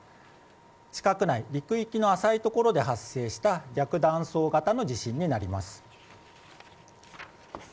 地殻内、陸域の浅いところで発生した逆断層型の地震になります。